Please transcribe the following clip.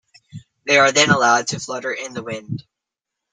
They are then allowed to flutter in the wind.